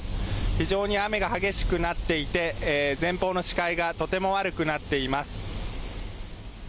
非常に雨が激しくなっていて前方の視界がとても悪くなっています。